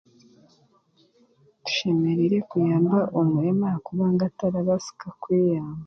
Tushemereire kuyamba omurema ahakubanga tarabaasika kweyamba